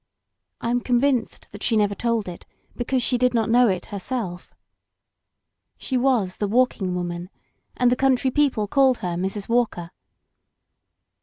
I am convinced that she never told it because she did not know it herself. She was the Walking Woman, and the cotintry peo ple called her Mrs. Walker.